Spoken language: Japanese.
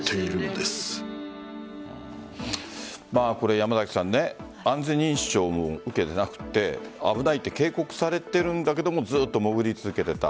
山崎さん安全認証も受けていなくて危ないと警告されているんだけどもずっと潜り続けていた。